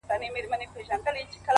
د حقیقت رڼا پټه نه پاتې کېږي.!